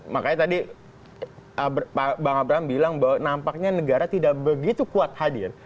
makanya tadi bang abraham bilang bahwa nampaknya negara tidak begitu kuat hadir